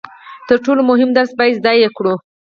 تر ټولو مهم درس باید زده یې کړو.